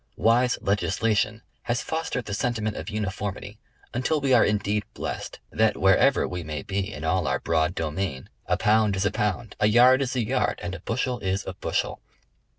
Wise legislation has fostered the sentim.ent of uniformity until we are indeed blessed, that wherever we may be in all our broad domain, a pound is a pound, a yard is a yard, and a bushel is a bushel.